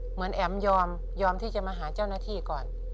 เหมือนแอ๋มยอมที่จะมาหาเจ้าหน้าที่ก่อน